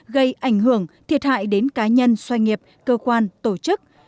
gây ảnh hưởng thiệt hại đến cá nhân xoay nghiệp cơ quan tổ chức